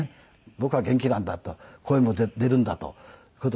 僕は元気なんだと声も出るんだという事ですごく。